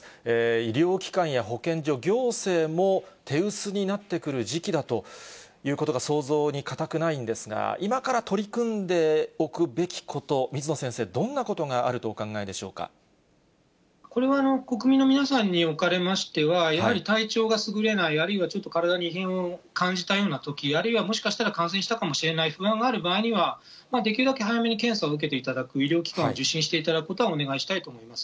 医療機関や保健所、行政も手薄になってくる時期だということが想像に難くないんですが、今から取り組んでおくべきこと、水野先生、どんなことがあるこれは国民の皆さんにおかれましては、やはり体調がすぐれない、あるいは体に異変を感じたようなとき、あるいはもしかしたら感染したかもしれない不安がある場合には、できるだけ早めに検査を受けていただく、医療機関を受診していただくことはお願いしたいと思います。